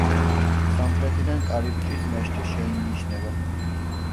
სამხრეთიდან კარიბჭის ნაშთი შეინიშნება.